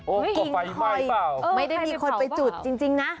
ก็ไฟไหม้เปล่าไม่ได้มีคนไปจุดจริงนะ